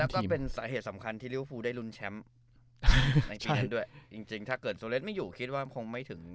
แล้วก็เป็นสาเหตุสำคัญที่ลิวฟูได้รุนแชมป์ในปีนั้นด้วยจริงจริงถ้าเกิดโซเลสไม่อยู่คิดว่าคงไม่ถึง